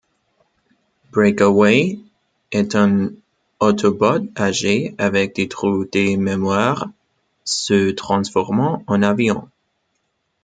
Breakaway est un Autobot âgé avec des trous de mémoire, se transformant en avion.